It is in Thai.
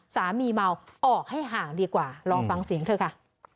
สามีเมาออกให้ห่างดีกว่าลองฟังเสียงเธอค่ะ